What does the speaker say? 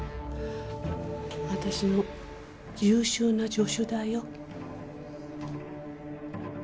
私の優秀な助手だよ